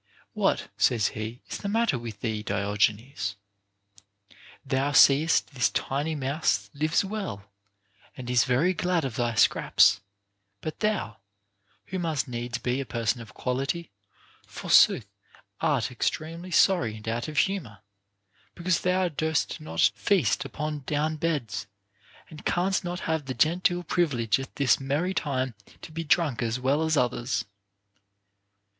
What (says he) is the matter with thee, Diogenes ? Thou seest this tiny mouse lives well, and is very glad of thy scraps ; but thou, who must needs be a person of quality, forsooth, art extremely sorry and out of humor, because thou dost not feast upon down beds, and canst not have the gen teel privilege at this merry time to be drunk as well as others. 454 OF MAN'S PROGRESS IN VIRTUE.